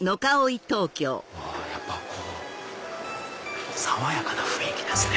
やっぱ爽やかな雰囲気ですね。